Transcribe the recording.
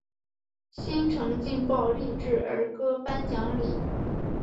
新城劲爆励志儿歌颁奖礼。